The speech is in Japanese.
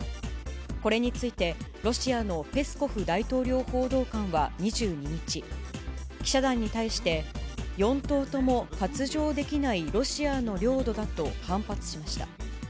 これについて、ロシアのペスコフ大統領報道官は、２２日、記者団に対して、四島とも割譲できないロシアの領土だと反発しました。